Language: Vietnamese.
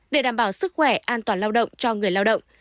để đảm bảo sức khỏe an toàn lao động cho người lao động